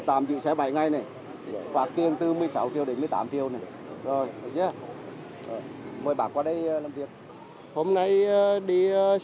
tại nhiều tí